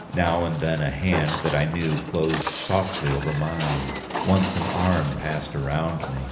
Now and then a hand that I knew closed softly over mine; once an arm passed around me.